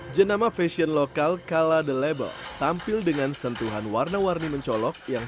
jenama fashion lokal kala the label tampil dengan sentuhan warna warni mencolok yang